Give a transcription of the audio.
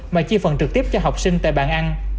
mà chia phần trực tiếp cho học sinh tại bàn ăn